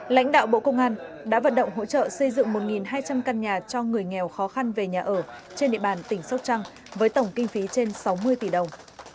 lãnh đạo bộ công an đã vận động hỗ trợ xây dựng một hai trăm linh căn nhà cho người nghèo khó khăn về nhà ở trên địa bàn tỉnh sóc trăng với tổng kinh phí trên sáu mươi tỷ đồng